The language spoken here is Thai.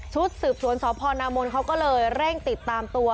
สืบสวนสพนามนเขาก็เลยเร่งติดตามตัว